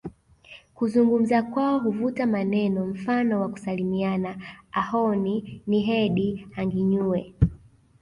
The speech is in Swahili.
Kuzungumza kwao huvuta maneno mfano wa kusalimiana Ahooni niheedi hanginyuwe